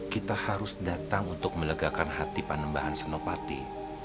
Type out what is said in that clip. kita harus datang untuk melegakan hati panambahan senopati